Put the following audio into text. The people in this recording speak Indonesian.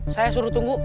saya suruh tunggu